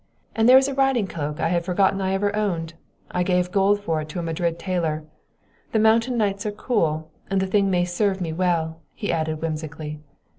And there is a riding cloak I had forgotten I ever owned I gave gold for it to a Madrid tailor. The mountain nights are cool, and the thing may serve me well," he added whimsically.